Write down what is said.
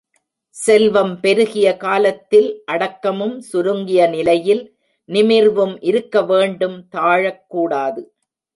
செல்வம் பெருகிய காலத்தில் அடக்கமும், சுருங்கிய நிலையில் நிமிர்வும் இருக்க வேண்டும் தாழக்கூடாது.